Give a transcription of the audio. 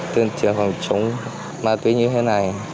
tuyên truyền phòng chống ma túy như thế này